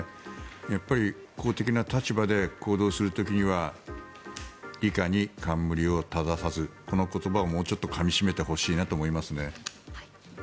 やっぱり公的な立場で行動する時には李下に冠を正さずこの言葉をもうちょっとかみ締めてほしいなと思いますね。